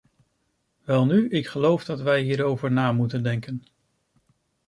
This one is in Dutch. Welnu, ik geloof dat wij hierover na moeten denken.